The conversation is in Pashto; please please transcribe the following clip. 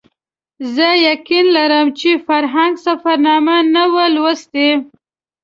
زه یقین لرم چې فرهنګ سفرنامه نه وه لوستې.